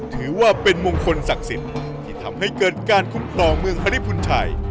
ถือว่าเป็นมงคลศักดิ์สิทธิ์ที่ทำให้เกิดการคุ้มครองเมืองฮริพุนชัย